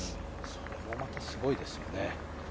それもまたすごいですよね。